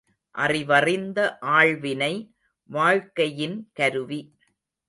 அறிவறிந்த ஆள்வினை வாழ்க்கையின் கருவி.